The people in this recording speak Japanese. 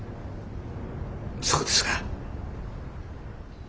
そうですか。